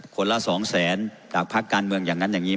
คนละ๒แสนจากพักการเมืองอย่างนั้นอย่างนี้